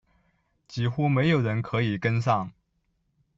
几乎没有人可以跟上